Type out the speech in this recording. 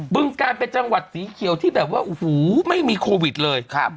ึงการเป็นจังหวัดสีเขียวที่แบบว่าโอ้โหไม่มีโควิดเลยครับ